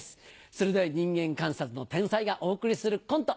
鋭い人間観察の天才がお送りするコント